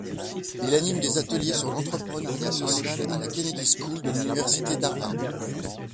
Il anime des ateliers sur l'entrepreneuriat social à la Kennedy School de l'Université d'Harvard.